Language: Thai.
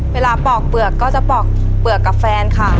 ปอกเปลือกก็จะปอกเปลือกกับแฟนค่ะ